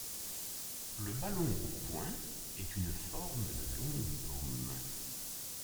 Le ballon au poing est une forme de longue paume.